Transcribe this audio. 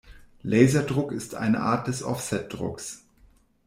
Laserdruck ist eine Art des Offsetdrucks.